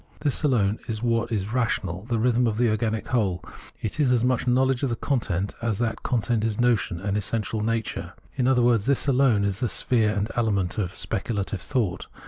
This alone is what is rational, the rhythm of the organic whole : it is as much know ledge of content as that content is notion and essential nature. In other words, this alone is the sphere and element of speculative thought.